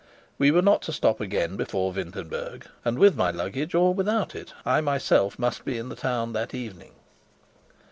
We were not to stop again before Wintenberg, and, with my luggage or without it, I myself must be in the town that evening.